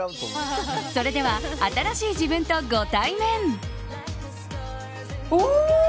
それでは新しい自分とご対面。